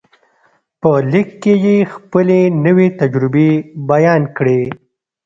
په لیک کې یې خپلې نوې تجربې بیان کړې